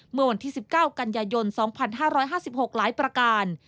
เมื่อวันที่๑๙กันยายน๒๕๕๖หลายประการ